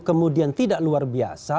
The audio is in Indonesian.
kemudian tidak luar biasa